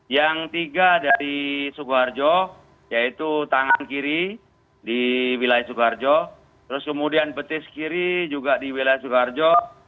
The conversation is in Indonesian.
yang tiga dari sukoharjo yaitu tangan kiri di wilayah sukoharjo terus kemudian betis kiri juga di wilayah sukoharjo